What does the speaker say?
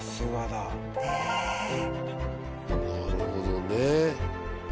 なるほどね。